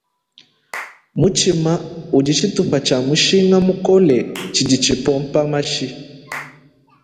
Mutshima udi tshitupa tshia mushinga mukole tshidi tshipompa mashi.